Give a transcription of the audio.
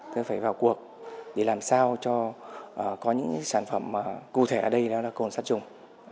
thế phải vào cuộc để làm sao cho có những sản phẩm cụ thể ở đây đó là cồn sát trùng